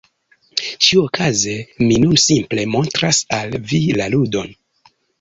Ĉiuokaze mi nun simple montras al vi la ludon…